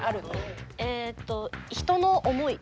えっと「人の思い」。